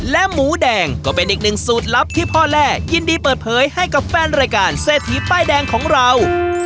และหมูแดงก็เป็นอีกหนึ่งสูตรลับที่พ่อแร่ยินดีเปิดเผยให้กับแฟนรายการเศรษฐีป้ายแดงของเรา